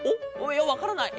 いやわからない。